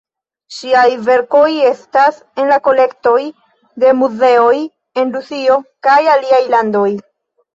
Ŝiaj verkoj estas en la kolektoj de muzeoj en Rusio kaj aliaj landoj.